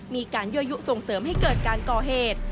มีการยั่วยุส่งเสริมให้เกิดการก่อเหตุ